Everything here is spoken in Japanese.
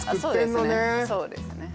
そうですね